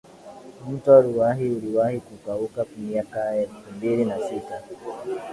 mto ruaha uliwahi kukauka mwaka elfu mbili na sita